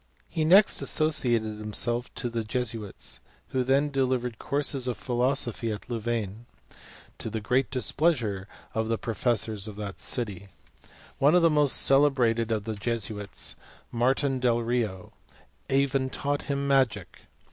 He next associated himself to the ■ Jesuits, who then delivered courses of philosophy at Louvaiu, to the great displeasure of the professors oC s 2 180 HISTORY OF CHEMISTRY. that city. One of the most celebrated of the Jesuits, Martin del Rio, even taught him magic.